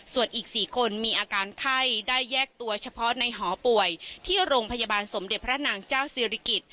ส่วนอีก๔คนมีอาการไข้ได้แยกตัวเฉพาะในหอป่วยที่โรงพยาบาลสมเด็จพระนางเจ้าศิริกิจ